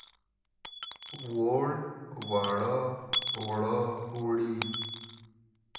ووړ، واړه، وړه، وړې.